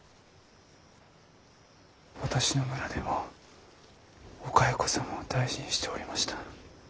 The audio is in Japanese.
私の村でもお蚕様を大事にしておりました。